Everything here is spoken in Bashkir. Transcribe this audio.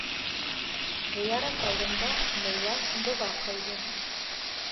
Зыярат алдында мулла доға ҡылды.